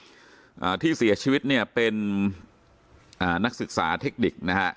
อ่าที่เสียชีวิตเนี่ยเป็นอ่านักศึกษาเทคนิคนะฮะ